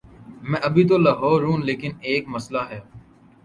میں ابھی تو لاہور ہوں، لیکن ایک مسلہ ہے۔